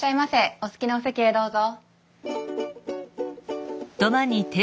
お好きなお席へどうぞ。